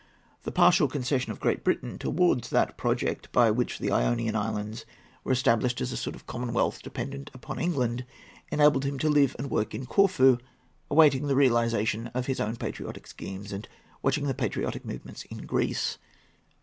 The partial concession of Great Britain towards that project, by which the Ionian Islands were established as a sort of commonwealth, dependent upon England, enabled him to live and work in Corfu, awaiting the realization of his own patriotic schemes, and watching the patriotic movement in Greece.